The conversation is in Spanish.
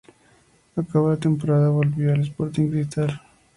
Acabada la temporada, volvió al Sporting Cristal.